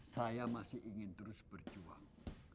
saya masih ingin terus berjuang